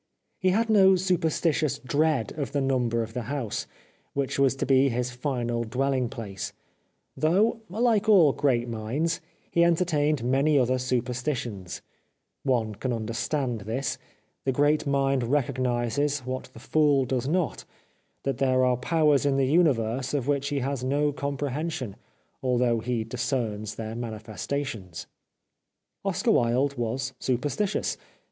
He had no superstitious dread of the number of the house, which was to be his final dwelling place, though, like all great minds, he enter tained many other superstitions. One can understand this. The great mind recognises, what the fool does not, that there are powers in the universe of which he has no comprehension, although he discerns their manifestations. Oscar Wilde was superstitious.